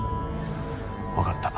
わかった。